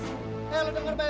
eh lo denger baik baik ya